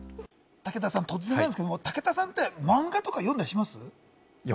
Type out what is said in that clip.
武田さん、突然なんですけれども武田さんってマンガとか読んだりします？